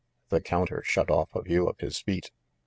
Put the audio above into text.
The counter shut off a view of his feet.